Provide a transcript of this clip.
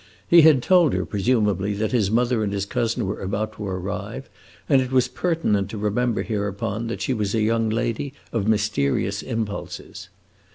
He had told her, presumably, that his mother and his cousin were about to arrive; and it was pertinent to remember hereupon that she was a young lady of mysterious impulses.